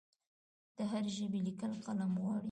د هرې ژبې لیکل قلم غواړي.